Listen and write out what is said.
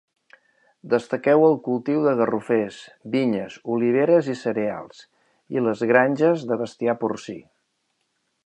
Destaquen el cultiu de garrofers, vinyes, oliveres i cereals, i les granges de bestiar porcí.